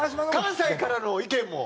関西からの意見も。